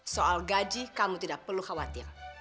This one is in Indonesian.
soal gaji kamu tidak perlu khawatir